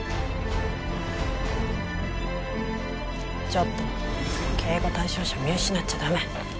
ちょっと警護対象者見失っちゃ駄目。